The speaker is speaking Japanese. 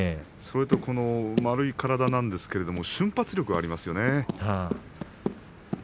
それと丸い体ですが瞬発力がありますよね。